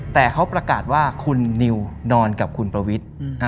แต่เขาประกาศว่าคุณนิวนอนกับคุณประวิทย์